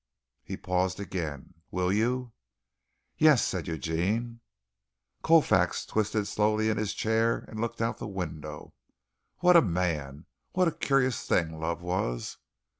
He paused again. "Will you?" "Yes," said Eugene. Colfax twisted slowly in his chair and looked out of the window. What a man! What a curious thing love was!